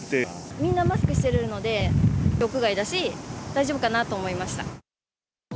みんなマスクしてるので、屋外だし、大丈夫かなと思いました。